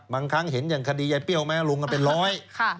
บางครั้งเห็นอย่างคดียายเปรี้ยวแม้รวมกันเป็นร้อย